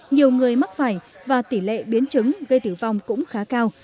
nhiều người mắc vải và tỷ lệ biến chứng gây tử vong cũng khá cao